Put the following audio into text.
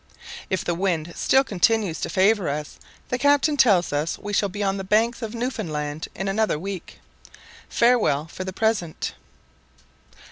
If the wind still continues to favour us, the captain tells us we shall be on the banks of Newfoundland in another week. Farewell for the present.